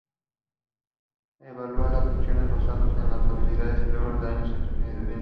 Evaluaba a los funcionarios, basándose en sus habilidades, logros y años de experiencia.